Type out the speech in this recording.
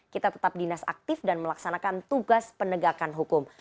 kita tetap dinas aktif dan melaksanakan tugas penegakan hukum